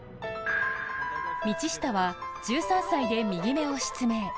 道下は１３歳で右目を失明。